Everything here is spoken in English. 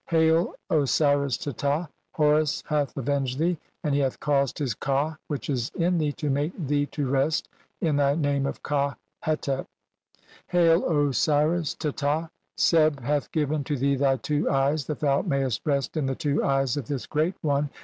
"Hail, Osiris Teta, Horus hath avenged thee, and he "hath caused his ka which is in thee [to make] thee "to rest in thy name of Ka hetep." "Hail, Osiris Teta, Seb hath given to thee thy two "eyes that thou mayest rest in the two eyes of this "Great One